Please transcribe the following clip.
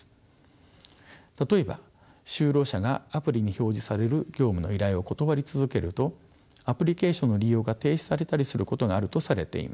例えば就労者がアプリに表示される業務の依頼を断り続けるとアプリケーションの利用が停止されたりすることがあるとされています。